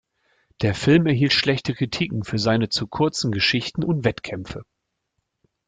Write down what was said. Der Film erhielt schlechte Kritiken für seine zu kurzen Geschichten und Wettkämpfe.